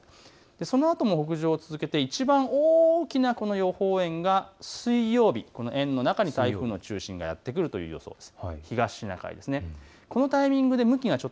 そのあとも北上を続けていちばん大きなこの予報円が水曜日、円の中に台風の中心がやって来ることになりそうです。